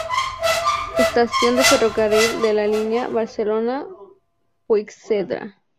Estación de ferrocarril de la línea Barcelona-Puigcerdá.